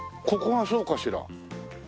ここがそうかしら？